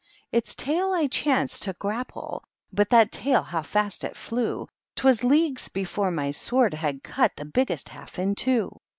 Its tail I chanced to grapple^ hut That tailj how fast it flew ! ^TwOrS leagues before my sword had cut The biggest half in two.